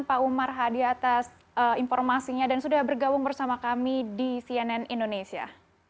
pak umar hadi atas informasinya dan sudah bergabung bersama kami di cnn indonesia